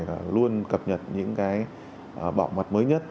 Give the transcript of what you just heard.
và luôn cập nhật những bảo mật mới nhất